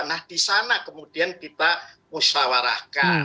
nah di sana kemudian kita musyawarahkan